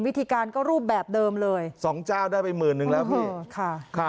วิธีการก็รูปแบบเดิมเลยสองเจ้าได้ไปหมื่นนึงแล้วพี่ค่ะ